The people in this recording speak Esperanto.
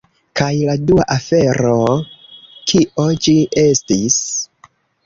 Kaj la dua afero... kio ĝi estis?